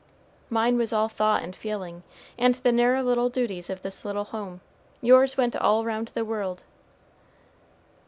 Mine was all thought and feeling, and the narrow little duties of this little home. Yours went all round the world."